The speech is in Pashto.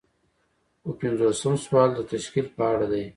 اووه پنځوسم سوال د تشکیل په اړه دی.